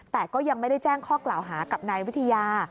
แต่ก็ยังไม่ได้แจ้งข้อกล่าวหากับนายวิทยา